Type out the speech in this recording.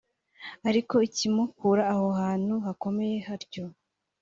Ariko ikimukura aho hantu hakomeye hatyo